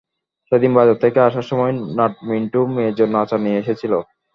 সেদিন বাজার থেকে আসার সময় নাট মিন্টু মেয়ের জন্য আচার নিয়ে এসেছিল।